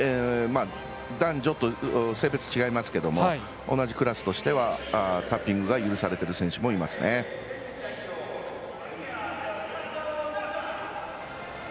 男女と性別違いますけれども同じクラスとしてはタッピングが許されている選手もいます。